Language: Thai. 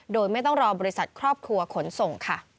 โดยไม่ต้องรอบริษัทครอบครัวขนส่งค่ะ